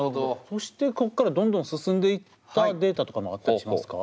そしてここからどんどん進んでいったデータとかもあったりしますか？